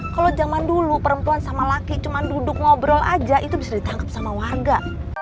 kalo jaman dulu perempuan sama laki cuman duduk ngobrol aja itu bisa ditangkep sama warga